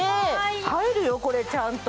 入るよこれ、ちゃんと。